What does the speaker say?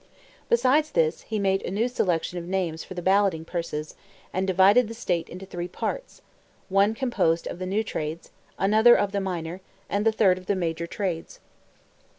Besides this, he made a new selection of names for the balloting purses, and divided the state into three parts; one composed of the new trades, another of the minor, and the third of the major trades.